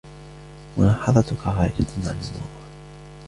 ملاحظتك خارجة عن الموضوع.